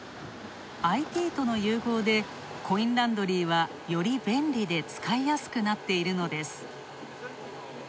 ＩＴとの融合で、コインランドリーは、より便利で、使いやすくなっているのです。